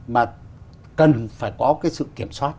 mà cần phải có cái sự kiểm soát